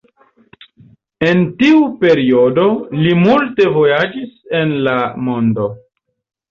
En tiu periodo li multe vojaĝis en la mondo.